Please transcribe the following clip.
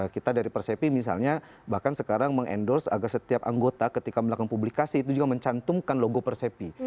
karena persepi misalnya bahkan sekarang mengendorse agar setiap anggota ketika melakukan publikasi itu juga mencantumkan logo persepi